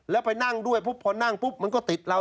แล้วไปนั่งด้วยปุ๊บพอนั่งปุ๊บมันก็ติดเรา